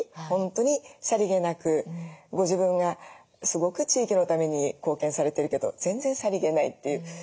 本当にさりげなくご自分がすごく地域のために貢献されてるけど全然さりげないっていう。